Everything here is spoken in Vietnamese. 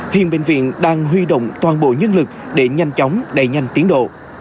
hiện bệnh viện đang huy động toàn bộ nhân lực để nhanh chóng đẩy nhanh tiến độ